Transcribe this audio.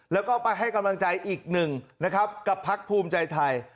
แล้วก็ไปให้กำลังใจอีกหนึ่งนะครับกับพักภูมิใจไทย